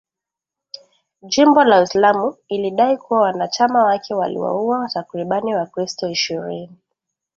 Jimbo la Uislamu ilidai kuwa wanachama wake waliwauwa takribani wakristo ishirini.